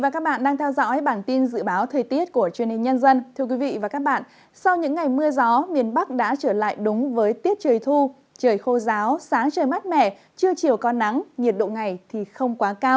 các bạn hãy đăng kí cho kênh lalaschool để không bỏ lỡ những video hấp dẫn